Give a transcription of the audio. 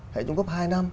hệ trung cấp hai năm